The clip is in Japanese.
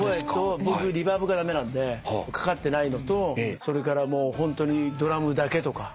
僕リバーブが駄目なんでかかってないのとそれからドラムだけとか。